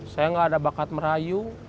saya nggak ada bakat merayu